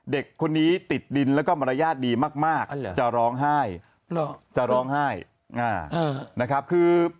เด็กคนนี้ติดดินแล้วก็มารยาทดีมากจะร้องไห้จะร้องไห้นะครับคือ